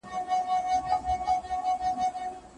آیا ویده یا بېهوښه کس د طلاق اهليت لري؟